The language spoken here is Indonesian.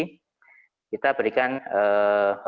jadi kita berikan oksigen